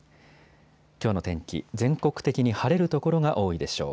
きょうの天気、全国的に晴れる所が多いでしょう。